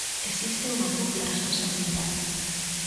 Existe unha dupla responsabilidade.